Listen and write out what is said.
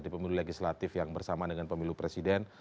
di pemilu legislatif yang bersamaan dengan pemilu presiden